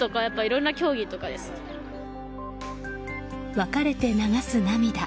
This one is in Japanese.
別れて流す涙。